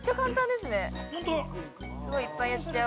◆すごいいっぱいやっちゃおう。